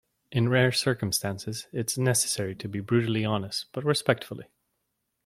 In rare circumstances its necessary to be brutally honest but respectfully.